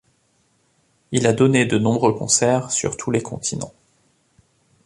Il a donné de nombreux concerts sur tous les continents.